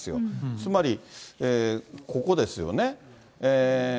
つまり、ここですよね。